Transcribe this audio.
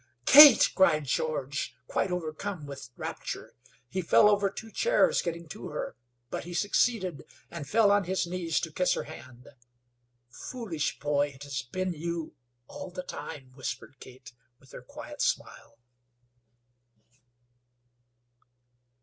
"Kate!" cried George, quite overcome with rapture. He fell over two chairs getting to her; but he succeeded, and fell on his knees to kiss her hand. "Foolish boy! It has been you all the time," whispered Kate, with her quiet smile.